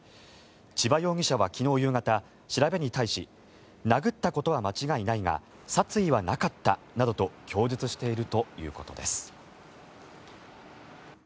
千葉容疑者は昨日夕方、調べに対し殴ったことは間違いないが殺意はなかったなどと供述しているということです。